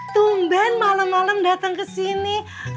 tunggu malem malem datang kesini